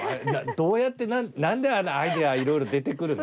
どうやって何であんなアイデアいろいろ出てくるの？